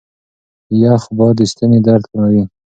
يخ باد د ستوني درد زياتوي.